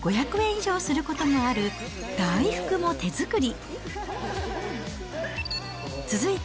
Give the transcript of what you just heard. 以上することもある大福も手作り。